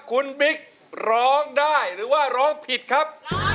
คุณบิ๊กร้องได้หรือว่าร้องผิดครับ